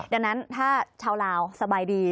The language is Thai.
ดังนั้นถ้าชาวลาวสบายดี